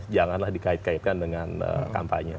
janganlah dikait kaitkan dengan kampanye